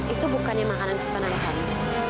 itu bukannya makanan kesukaan ayah kamu